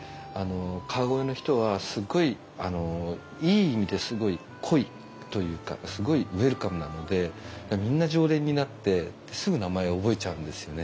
川越の人はすごいいい意味ですごい濃いというかすごいウェルカムなのでみんな常連になってすぐ名前を覚えちゃうんですよね。